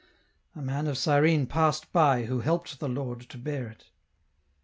A man of Cyrene passed by who helped the Lord to bear it.